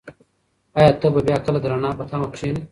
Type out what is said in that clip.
ایا ته به بیا کله د رڼا په تمه کښېنې؟